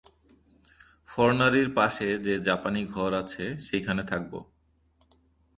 ফর্ণারির পাশে যে জাপানি ঘর আছে সেইখানে থাকব।